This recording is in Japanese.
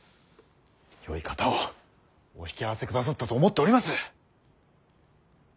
よい方をお引き合わせくださったと思っております。